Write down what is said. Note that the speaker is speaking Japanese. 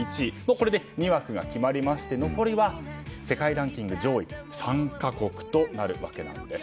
これで２枠が決まりまして残りは世界ランキング上位３か国となるわけなんです。